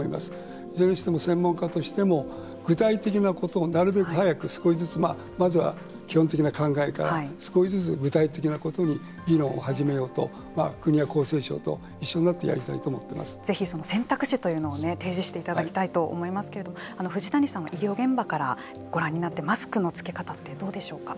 いずれにしても専門家としても具体的なことをなるべく早く少しずつまずは基本的な考えから少しずつ具体的なことに議論を始めようと国や厚労省と一緒になってやりたいとぜひ選択肢というのを提示していただきたいと思いますけれども藤谷さん、医療現場からご覧になってマスクのつけ方ってどうでしょうか。